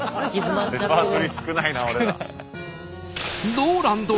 ＲＯＬＡＮＤ